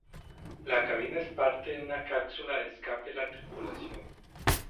La cabina es parte de una cápsula de escape de la tripulación.